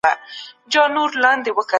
ټولنیزې اړیکې باید پیاوړي سي.